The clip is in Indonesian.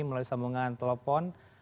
melalui sambungan telepon